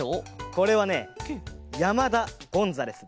これはね山田ゴンザレスです。